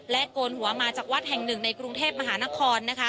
โกนหัวมาจากวัดแห่งหนึ่งในกรุงเทพมหานคร